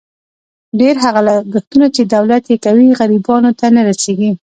ډېر هغه لګښتونه، چې دولت یې کوي، غریبانو ته نه رسېږي.